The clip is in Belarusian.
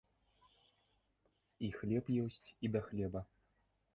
І хлеб ёсць, і да хлеба.